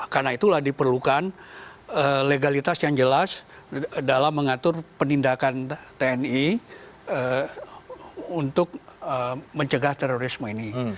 karena itulah diperlukan legalitas yang jelas dalam mengatur penindakan tni untuk mencegah terorisme ini